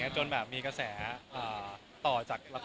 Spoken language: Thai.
จนแบบมีกระแสต่อจากละคร